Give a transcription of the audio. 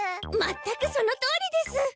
全くそのとおりです。